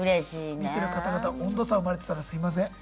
見てる方々温度差生まれてたらすいません。